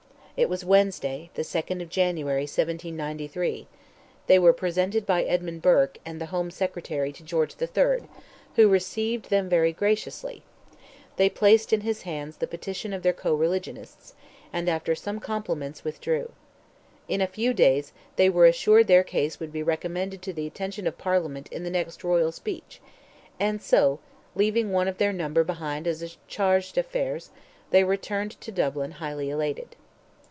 It was Wednesday, the 2nd of January, 1793; they were presented by Edmund Burke and the Home Secretary to George III., who "received them very graciously;" they placed in his hands the petition of their co religionists, and, after some compliments, withdrew. In a few days, they were assured their case would be recommended to the attention of Parliament in the next royal speech, and so, leaving one of their number behind as "charge d'affaires," they returned to Dublin highly elated.